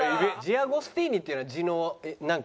「痔アゴスティーニ」っていうのは痔のなんか？